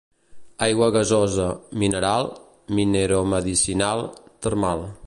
Aigua gasosa, mineral, mineromedicinal, termal.